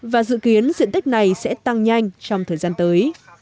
và dự kiến diện tích này sẽ tăng nhanh trong thời gian tới